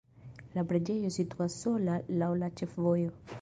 La preĝejo situas sola laŭ la ĉefvojo.